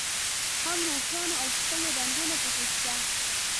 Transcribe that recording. هم روښانه او ښکلي رنګونه په کې شته.